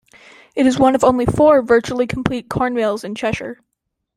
It is one of only four virtually complete corn mills in Cheshire.